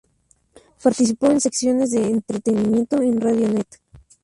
Participó en secciones de entretenimiento de Radio Net.